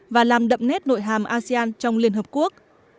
và làm đậm nét nội hàm asean trong liên hợp quốc